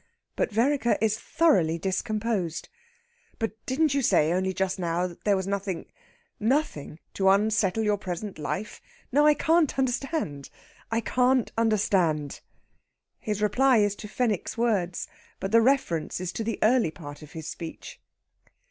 But Vereker is thoroughly discomposed. "But didn't you say only just now there was nothing nothing to unsettle your present life? No; I can't understand I can't understand." His reply is to Fenwick's words, but the reference is to the early part of his speech.